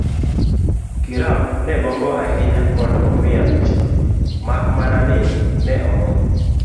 kiram ne gombo ahinya mondo omiya michno, mak mana ni ne ok